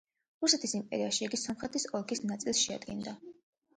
რუსეთის იმპერიაში იგი სომხეთის ოლქის ნაწილს შეადგენდა.